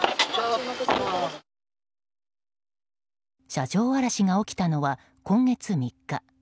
車上荒らしが起きたのは今月３日。